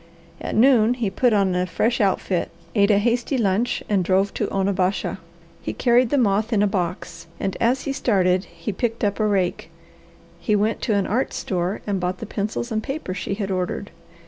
At noon he put on a fresh outfit, ate a hasty lunch, and drove to Onabasha. He carried the moth in a box, and as he started he picked up a rake. He went to an art store and bought the pencils and paper she had ordered.